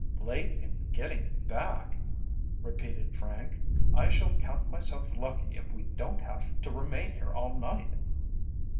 "Late in getting back?" repeated Frank. "I shall count myself lucky if we don't have remain here all night."